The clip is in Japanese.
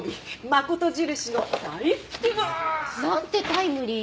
誠印の大福！なんてタイムリー。